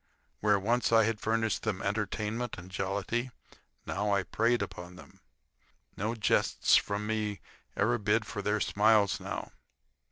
Where once I had furnished them entertainment and jollity, I now preyed upon them. No jests from me ever bid for their smiles now.